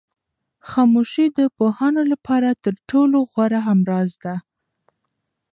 خاموشي د پوهانو لپاره تر ټولو غوره همراز ده.